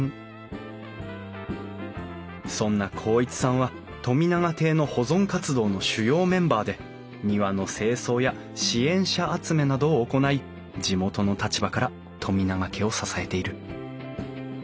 そんな孝一さんは富永邸の保存活動の主要メンバーで庭の清掃や支援者集めなどを行い地元の立場から富永家を支えている。